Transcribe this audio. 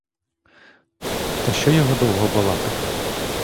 Та що його довго балакати!